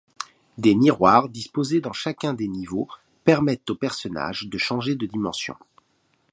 Des miroirs disposés dans chacun des niveaux permettent au personnage de changer de dimension.